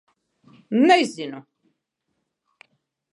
Nezinu.